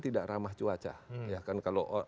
tidak ramah cuaca ya kan kalau